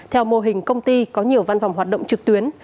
theo mô hình công ty có nhiều văn phòng hoạt động trực tuyến